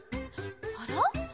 あら？